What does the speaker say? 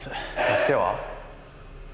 助けは？